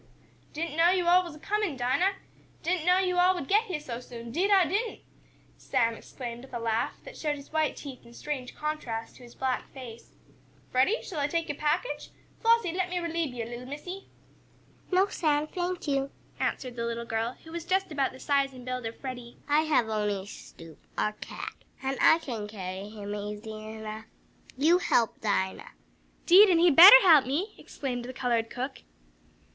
"Didn't know yo' all was a comin', Dinah! Didn't know yo' all would get heah so soon, 'deed I didn't!" Sam exclaimed, with a laugh, that showed his white teeth in strange contrast to his black face. "Freddie, shall I take yo' package? Flossie, let me reliebe yo', little Missie!" "No, Sam, thank you!" answered the little girl, who was just about the size and build of Freddie. "I have only Snoop, our cat, and I can carry him easily enough. You help Dinah!" "'Deed an' he had better help me!" exclaimed the colored cook.